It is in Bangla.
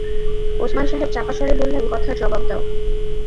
ওসমান সাহেব চাপা স্বরে বললেন, কথার জবাব দাও।